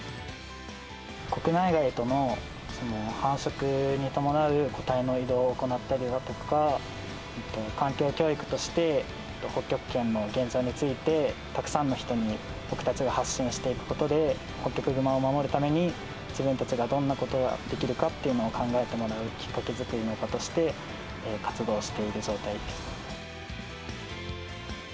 国内外との繁殖に伴う個体の移動を行ったりだとか、環境教育として、北極圏の現状について、たくさんの人に僕たちが発信していくことで、ホッキョクグマを守るために自分たちがどんなことができるかっていうのを考えてもらうきっかけ作りとして活動している状態です。